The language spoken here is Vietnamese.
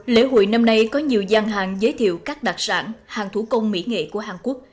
lễ hội năm nay có nhiều gian hàng giới thiệu các đặc sản hàng thủ công mỹ nghệ của hàn quốc